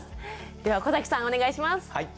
では小さんお願いします。